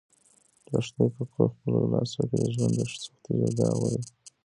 لښتې په خپلو لاسو کې د ژوند د سختیو یو داغ ولید.